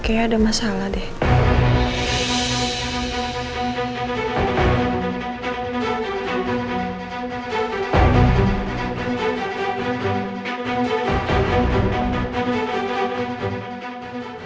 kayaknya ada masalah deh